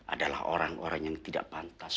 adalah orang orang yang tidak pantas